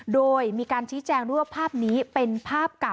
โดยมีการชี้แจงด้วยว่าภาพนี้เป็นภาพเก่า